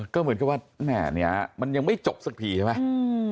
ก็เหมือนกับว่าแม่เนี่ยมันยังไม่จบสักทีใช่ไหม